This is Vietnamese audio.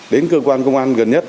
đến cơ quan công an gần nhất